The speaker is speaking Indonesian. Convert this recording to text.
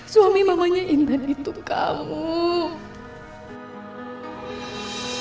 suami mamanya anth determin itu kamu you tu mariah tu ini pasaasuhan the entrepreneurs